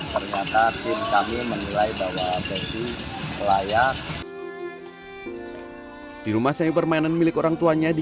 ternyata tim kami menilai bahwa peti layak di rumah seni permainan milik orangtuanya di